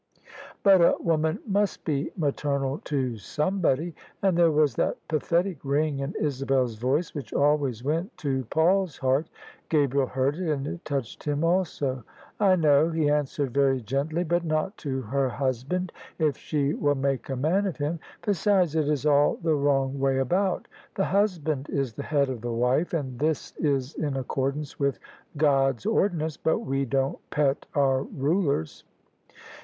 " But a woman must be maternal to somebody." And there was that pathetic ring in Isabel's voice which always went to Paul's heart. Gabriel heard it, and it touched him also. " I know," he answered very gently; " but not to her hus band, if she will make a man of him. Besides, it is all the wrong way about. The husband is the head of the wife, and this is in accordance with God's ordinance: but we don't pet our rulers."